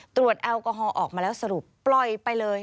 แอลกอฮอลออกมาแล้วสรุปปล่อยไปเลย